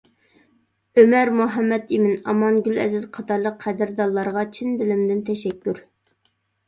ئۆمەر مۇھەممەتئىمىن، ئامانگۈل ئەزىز قاتارلىق قەدىردانلارغا چىن دىلىمدىن تەشەككۈر!